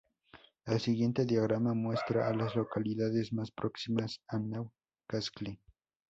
El siguiente diagrama muestra a las localidades más próximas a New Castle.